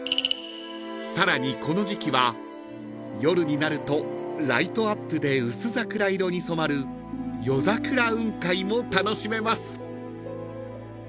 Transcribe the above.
［さらにこの時季は夜になるとライトアップで薄桜色に染まる夜桜雲海も楽しめます］